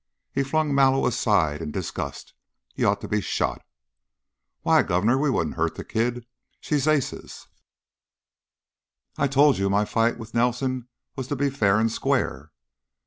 He flung Mallow aside in disgust. "You ought to be shot." "Why, Governor! We wouldn't hurt that kid. She's aces." "I told you my fight with Nelson was to be fair and square."